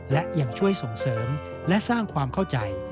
และยังช่วยส่งเสริมและสร้างความเข้าใจ